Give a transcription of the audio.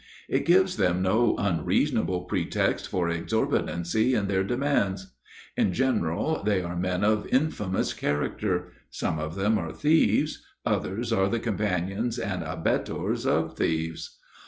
It gives them no unreasonable pretext for exorbitancy in their demands. In general, they are men of infamous character; some of them are thieves, others are the companions and abettors of thieves.